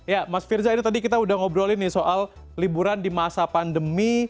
ya mas firza ini tadi kita udah ngobrolin nih soal liburan di masa pandemi